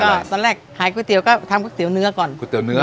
ก็ตอนแรกขายก๋วยเตี๋ยวก็ทำก๋วเนื้อก่อนก๋วยเตี๋เนื้อ